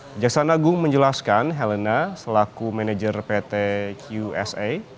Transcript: kejaksaan agung menjelaskan helena selaku manajer pt qsa